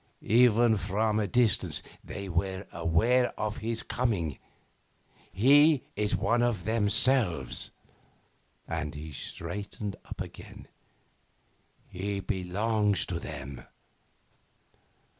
_ Even from a distance they were aware of his coming. He is one of themselves.' And he straightened up again. 'He belongs to them.